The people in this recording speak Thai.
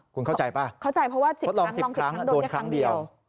คุณเข้าใจปะเข้าใจเพราะว่าก้น๑๐ทั้งต้อน๑ครั้งเดียว